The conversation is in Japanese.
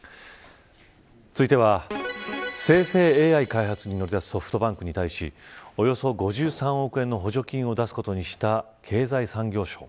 続いては生成ＡＩ開発に乗り出すソフトバンクに対しおよそ５３億円の補助金を出すことにした経済産業省。